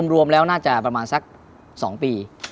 รวมแล้วน่าจะประมาณสัก๒ปี